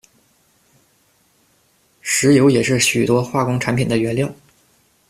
石油也是许多化工产品的原料。